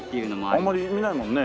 あんまり見ないもんね。